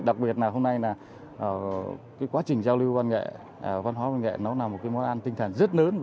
đặc biệt là hôm nay quá trình giao lưu văn nghệ văn hóa văn nghệ là một món ăn tinh thần rất lớn